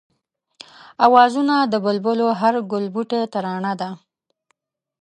آوازونه د بلبلو هر گلبوټی ترانه ده